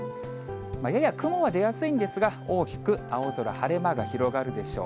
やや雲は出やすいんですが、大きく青空、晴れ間が広がるでしょう。